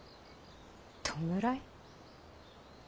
弔い？